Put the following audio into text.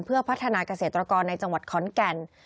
เพื่อพัฒนาเกษตรกรในจังหวัดขอนแก่น